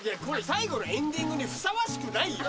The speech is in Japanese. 最後のエンディングにふさわしくないよ。